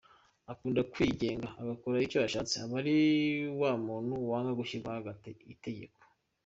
Akunda kwigenga agakora icyo ashatse, aba ari wa muntu wanga gushyirwaho itegeko.